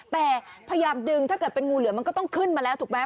แต่พยายามดึงถ้าเกิดเป็นงูเหลือมันก็ต้องขึ้นมาแล้วถูกไหม